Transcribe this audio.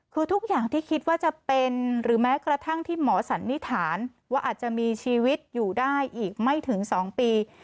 คือทุกอย่างที่คิดว่าจะเป็นหรือแม้กระทั่งที่หมอสันนิษฐานว่าอาจจะมีชีวิตอยู่ได้อีกไม่ถึง๒ปี